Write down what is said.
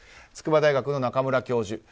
筑波大学の中村教授